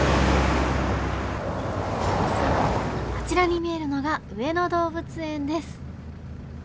あちらに見えるのが上野動物園です。